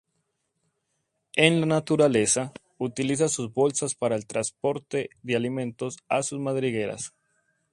En la naturaleza, utiliza sus bolsas para el transporte de alimentos a sus madrigueras.